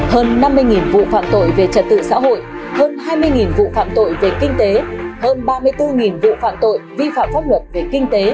hơn năm mươi vụ phạm tội về trật tự xã hội hơn hai mươi vụ phạm tội về kinh tế hơn ba mươi bốn vụ phạm tội vi phạm pháp luật về kinh tế